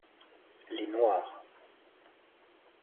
Les noires.